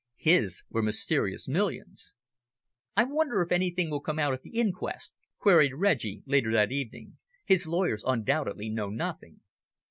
His were mysterious millions. "I wonder if anything will come out at the inquest?" queried Reggie, later that evening. "His lawyers undoubtedly know nothing."